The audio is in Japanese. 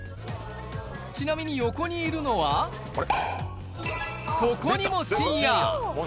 ちなみに横にいるのは、ここにも、しんや。